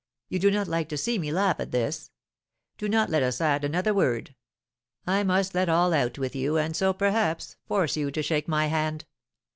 "You do not like to see me laugh at this; do not let us add another word. I must let all out with you, and so, perhaps, force you to shake my hand."